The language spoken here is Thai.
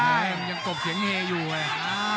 มันยังกบเสียงเฮอยู่เลย